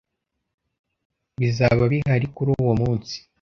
bizaba bihari kuri uwo munsi